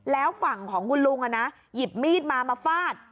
แล้วฝั่งของคุณลุงหยิบมีดมามาฟาด